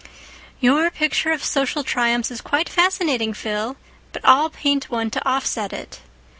"Your picture of social triumphs is quite fascinating, Phil, but I'll paint one to offset it.